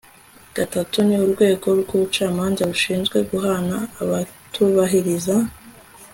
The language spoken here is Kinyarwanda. gatatu ni urwego rw'ubucamanza rushinzwe guhana abatubahiriza